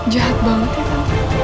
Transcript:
jahat banget ya tante